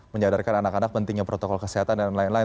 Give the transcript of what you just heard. menyadarkan anak anak pentingnya protokol kesehatan dan lain lain